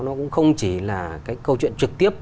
nó cũng không chỉ là câu chuyện trực tiếp